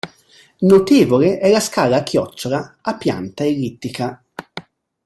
Notevole è la scala a chiocciola a pianta ellittica.